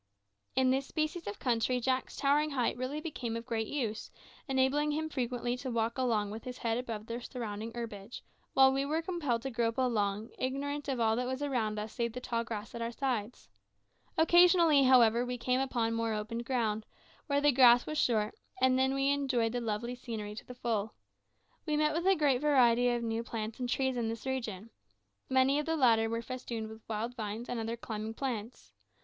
In this species of country Jack's towering height really became of great use, enabling him frequently to walk along with his head above the surrounding herbage, while we were compelled to grope along, ignorant of all that was around us save the tall grass at our sides. Occasionally, however, we came upon more open ground, where the grass was short, and then we enjoyed the lovely scenery to the full. We met with a great variety of new plants and trees in this region. Many of the latter were festooned with wild vines and other climbing plants.